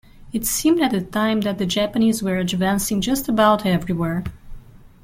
It seemed at the time that the Japanese were advancing just about everywhere.